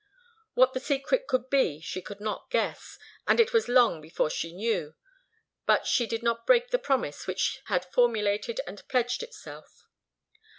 What the secret could be she could not guess, and it was long before she knew, but she did not break the promise which had formulated and pledged itself.